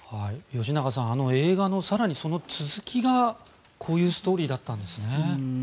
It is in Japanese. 吉永さんあの映画の更にその続きがこういうストーリーだったんですね。